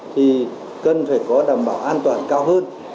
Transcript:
thì cần phải có đảm bảo an toàn cao hơn